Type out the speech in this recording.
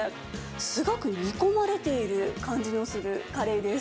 すごく煮込まれている感じのするカレーです。